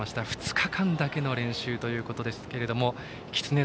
２日間だけの練習ということですがきつね